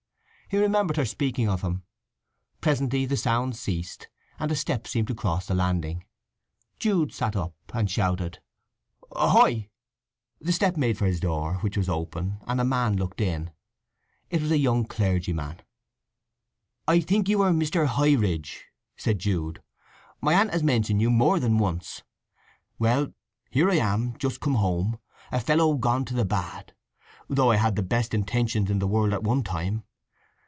He remembered her speaking of him. Presently the sounds ceased, and a step seemed to cross the landing. Jude sat up, and shouted "Hoi!" The step made for his door, which was open, and a man looked in. It was a young clergyman. "I think you are Mr. Highridge," said Jude. "My aunt has mentioned you more than once. Well, here I am, just come home; a fellow gone to the bad; though I had the best intentions in the world at one time.